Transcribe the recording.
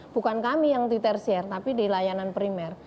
bukan kami yang twitter share tapi di layanan primer